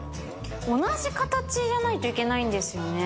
同じ形じゃないといけないんですよね。